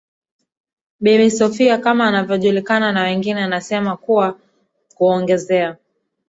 Bibi Sophia kama anavyojulikana na wengine anasema kwa kuongezea